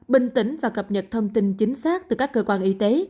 bình tĩnh và cập nhật thông tin chính xác từ các cơ quan y tế